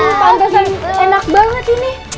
hmm pantesan enak banget ini